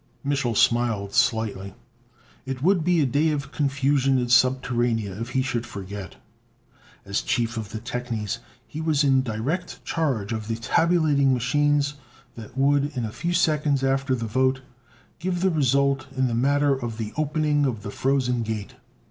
Mich'l smiled slightly. It would be a day of confusion in Subterranea if he should forget. As chief of the technies he was in direct charge of the tabulating machines that would, a few seconds after the vote, give the result in the matter of the opening of the Frozen Gate.